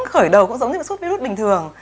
khởi đầu cũng giống như sốt virus bình thường